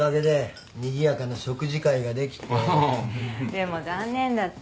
でも残念だった。